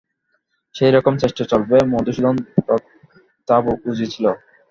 সেইরকম চেষ্টা চলবে মধুসূদন তা বুঝেছিল।